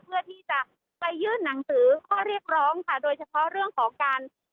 เพื่อที่จะไปยื่นหนังสือข้อเรียกร้องค่ะโดยเฉพาะเรื่องของการ